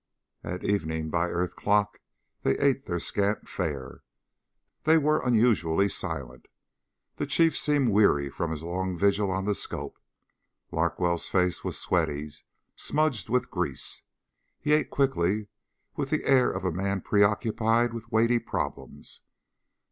At evening by earth clock they ate their scant fare. They were unusually silent. The Chief seemed weary from his long vigil on the scope. Larkwell's face was sweaty, smudged with grease. He ate quickly, with the air of a man preoccupied with weighty problems.